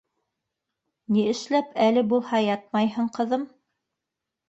— Ни эшләп әле булһа ятмайһың, ҡыҙым?